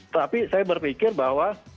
tapi saya berpikir bahwa